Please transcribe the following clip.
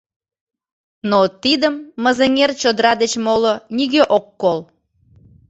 Но тидым Мызеҥер чодыра деч моло нигӧ ок кол.